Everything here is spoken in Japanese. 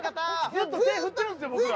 ずっと手振ってるんですよ